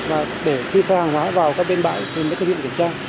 và để khi xe hàng hóa vào các bên bãi thì mới thực hiện kiểm tra